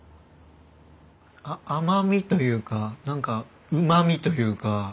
甘みというか何かうまみというか。